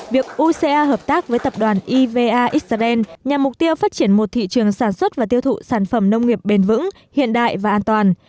việc uca hợp tác với tập đoàn iva israel nhằm mục tiêu phát triển một thị trường sản xuất và tiêu thụ sản phẩm nông nghiệp bền vững hiện đại và an toàn